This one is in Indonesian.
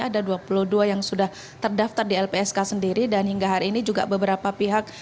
ada dua puluh dua yang sudah terdaftar di lpsk sendiri dan hingga hari ini juga beberapa pihak